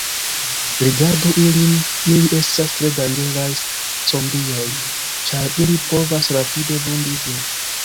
Rigardu ilin, ili estas tre danĝeraj zombioj, ĉar ili povas rapide vundi vin.